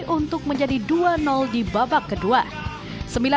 untuk menjadi dua di babak kedua